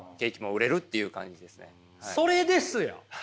それですよ。